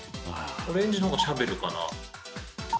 オレンジのがシャベルかな。